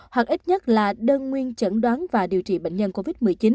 hoặc ít nhất là đơn nguyên chẩn đoán và điều trị bệnh nhân covid một mươi chín